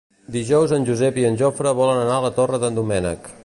Dijous en Josep i en Jofre volen anar a la Torre d'en Doménec.